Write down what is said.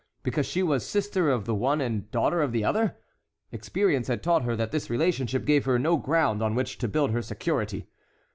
Because she was sister of the one and daughter of the other? Experience had taught her that this relationship gave her no ground on which to build her security.